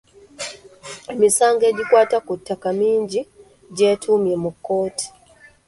Emisango egikwata ku ttaka mingi gyetuumye mu kkooti.